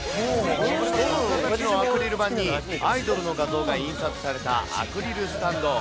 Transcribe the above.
人の形のアクリル板に、アイドルの画像が印刷されたアクリルスタンド。